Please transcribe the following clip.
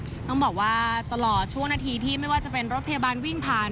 ต้องบอกว่าตลอดช่วงนาทีที่ไม่ว่าจะเป็นรถพยาบาลวิ่งผ่าน